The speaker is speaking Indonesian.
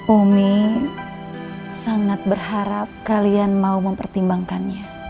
umi sangat berharap kalian mau mempertimbangkannya